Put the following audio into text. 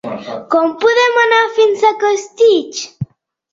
Com podem anar fins a Costitx?